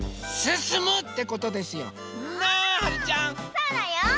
そうだよ！